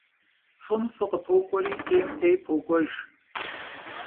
F'ım f'ı khıpok'ueri, 'êym 'êy pok'uejj.